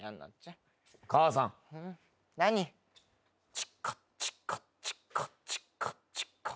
チカチカチカチカチカ。